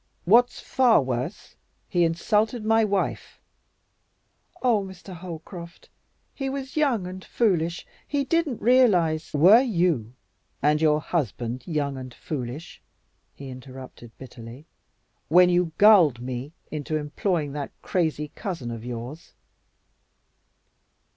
"What's far worse, he insulted my wife." "Oh, Mr. Holcroft! He was young and foolish; he didn't realize " "Were you and your husband young and foolish," he interrupted bitterly, "when you gulled me into employing that crazy cousin of yours?"